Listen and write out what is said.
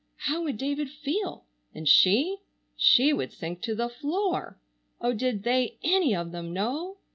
How would David feel? And she? She would sink to the floor. Oh, did they any of them know?